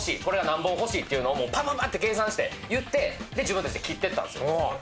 これは何本欲しいっていうのをもうパパパッて計算して言ってで自分達で切ってったんですよ